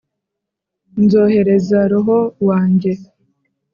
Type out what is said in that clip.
nzohereza roho wanjye